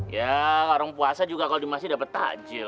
ya orang puasa juga kalau dimasih dapet takjil